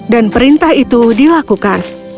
dan perintah itu dilakukan